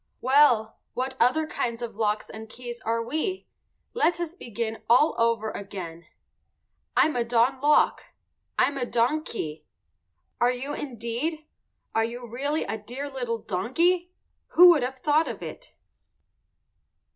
Well, what other kinds of locks and keys are we? Let us begin all over again. I'm a don lock. I'm a don key. Are you indeed? Are you really a dear little donkey? Who would have thought it?